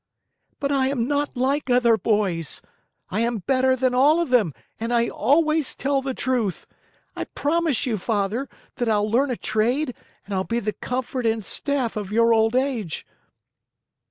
"But I am not like other boys! I am better than all of them and I always tell the truth. I promise you, Father, that I'll learn a trade, and I'll be the comfort and staff of your old age."